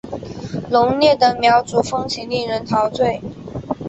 浓烈的苗族风情令人陶醉。